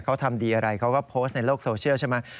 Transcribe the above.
เขาทำดีอะไรเขาก็โพสต์ในโลกโซเชียลใช่ไหม